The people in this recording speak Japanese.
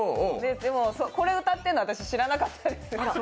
でも、これ歌ってるの私、知らなかったです。